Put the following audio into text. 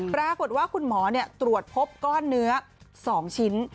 ปรากฏว่าคุณหมอตรวจพบก้อนเนื้อ๒ชิ้น